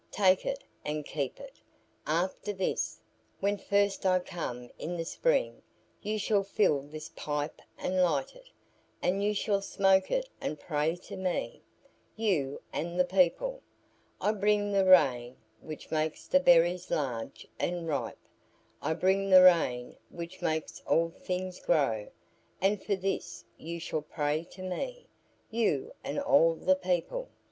Take it and keep it. After this, when first I come in the spring you shall fill this pipe and light it, and you shall smoke it and pray to me; you and the people. I bring the rain which makes the berries large and ripe. I bring the rain which makes all things grow, and for this you shall pray to me; you and all the people."